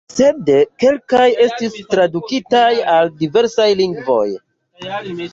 Sed kelkaj estis tradukitaj al diversaj lingvoj.